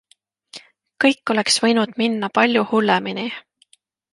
Kõik oleks võinud minna palju hullemini.